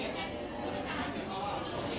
สวัสดีครับคุณผู้ชม